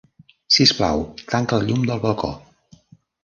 Sisplau, tanca el llum del balcó.